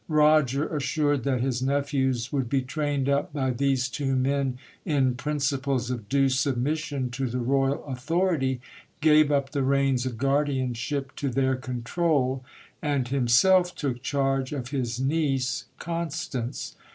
Roger, assured that his nephews would be trained up by these two nciples of due submis GIL BLAS. sion to the royal authority, gave up the reins of guardianship to their control, and himself took charge of his niece Constance.